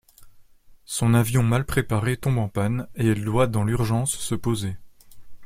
Son avion mal préparé tombe en panne et elle doit dans l'urgence se poser.